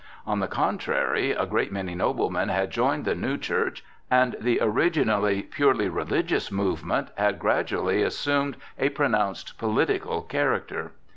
On the contrary, a great many noblemen had joined the new church and the originally purely religious movement had gradually assumed a pronounced political character.